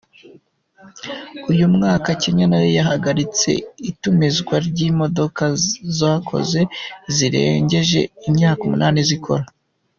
Uyu mwaka Kenya na yo yahagaritse itumizwa ry’imodoka zakoze zirengeje imyaka umunani zikozwe.